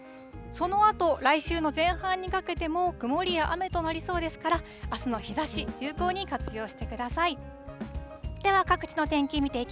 そのあと、来週の前半にかけても、曇りや雨となりそうですから、あすの日ざし、有効に活用してください。